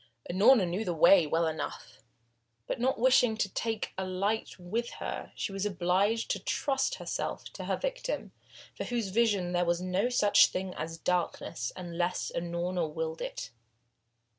Unorna knew the way well enough, but not wishing to take a light with her, she was obliged to trust herself to her victim, for whose vision there was no such thing as darkness unless Unorna willed it.